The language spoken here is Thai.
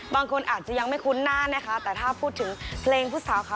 บางคนอาจจะยังไม่คุ้นหน้านะคะแต่ถ้าพูดถึงเพลงผู้สาวค่ะ